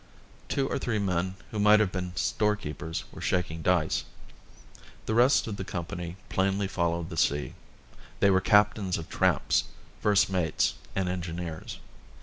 Two or three men who might have been store keepers were shaking dice. The rest of the company plainly followed the sea; they were captains of tramps, first mates, and engineers.